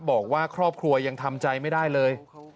บอกว่าครอบครัวยังทำใจไม่ได้เลย